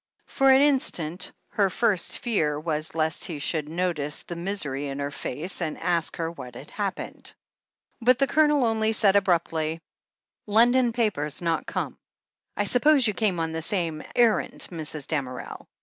For an instant her first fear was lest he should notice the misery in her face and ask her what had happened. But the Colonel only said abruptly : "London papers not come. I suppose you came on the same errand, Mrs. Damerel ?